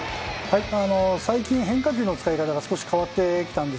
最近、変化球の使い方が少し変わってきました。